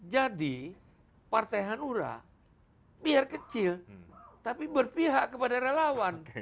jadi partai hanura biar kecil tapi berpihak kepada relawan